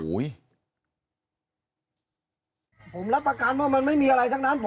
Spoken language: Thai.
พ่อหยิบมีดมาขู่จะทำร้ายแม่แล้วขังสองแม่